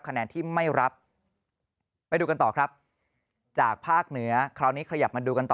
คะแนนที่ไม่รับไปดูกันต่อครับจากภาคเหนือคราวนี้ขยับมาดูกันต่อ